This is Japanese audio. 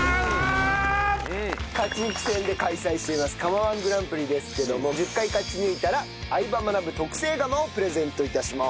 勝ち抜き戦で開催しています釜−１グランプリですけども１０回勝ち抜いたら『相葉マナブ』特製釜をプレゼント致します。